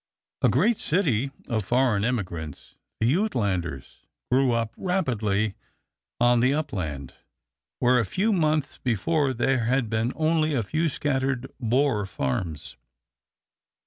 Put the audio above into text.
A great city of foreign immigrants the "Uitlanders" grew up rapidly on the upland, where a few months before there had been only a few scattered Boer farms.